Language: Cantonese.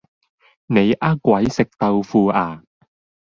你呃鬼食豆腐呀